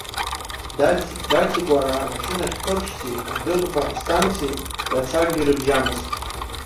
Даҭикәараа рмашьына ахьԥырҽзи адәыӷба астанциеи рацәаӡакгьы рыбжьамызт.